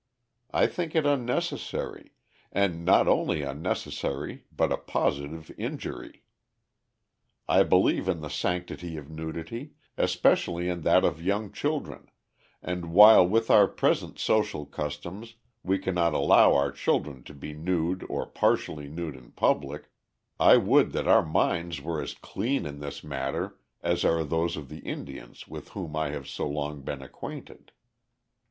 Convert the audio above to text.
I think it unnecessary, and not only unnecessary but a positive injury. I believe in the sanctity of nudity, especially in that of young children, and while with our present social customs we cannot allow our children to be nude or partially nude in public, I would that our minds were as clean in this matter as are those of the Indians with whom I have so long been acquainted.